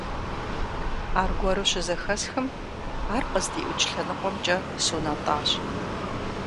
Аргуэру щызэхэсхым, ар къыздиӀукӀ лъэныкъуэмкӀэ сунэтӀащ.